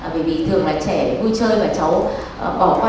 bởi vì thường là trẻ vui chơi và cháu bỏ qua những cái kể